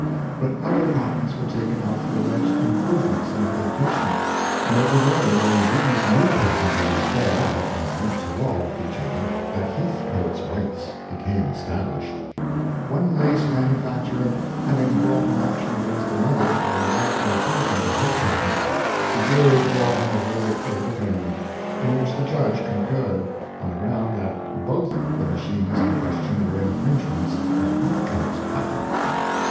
But other patents were taken out for alleged improvements and adapta tions ; and it was only when these new patentees fell out and went to law with each other that Heathcoat 's rights became established. One lace manufacturer having brought an action against another for an alleged infringe ment of his patent, the jury brought in a verdict for the 220 HeaiJicoafs Pate7it Disputed. defendant, in which the judge concurred, on the ground that both the machines in question were infringements of Heathcoat's patent.